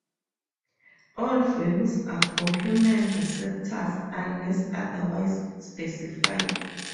All values are for human receptors unless otherwise specified.